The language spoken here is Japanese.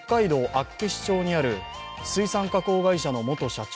厚岸町にある水産加工会社の元社長